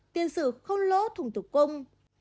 tiền sử không lỗ thùng tủ cung